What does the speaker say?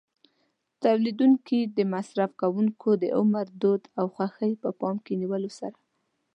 تولیدوونکي د مصرف کوونکو د عمر، دود او خوښۍ په پام کې نیولو سره.